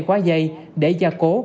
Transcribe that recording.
quá dây để gia cố